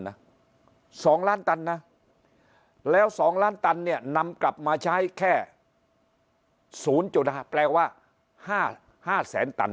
๒ล้านตันนะแล้ว๒ล้านตันเนี่ยนำกลับมาใช้แค่๐๕แปลว่า๕แสนตัน